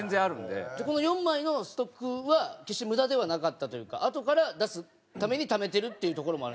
じゃあこの４枚のストックは決して無駄ではなかったというかあとから出すためにためてるっていうところも。